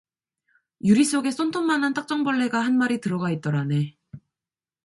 유리 속에 손톱만한 딱정벌레가 한 마리 들어가 있더라네.